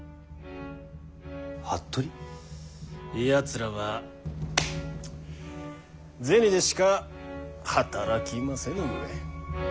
やつらは銭でしか働きませぬゆえ。